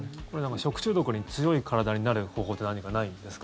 食中毒に強い体になる方法というのは何かないんですか？